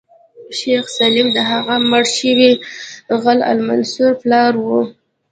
شیخ سلیم د هغه مړ شوي غل المنصور پلار و.